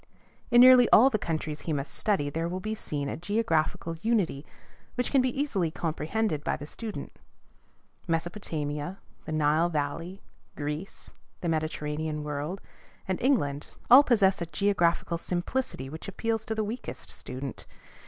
In nearly all the countries he must study there will be seen a geographical unity which can be easily comprehended by the student. Mesopotamia, the Nile Valley, Greece, the Mediterranean world, and England all possess a geographical simplicity which appeals to the weakest student.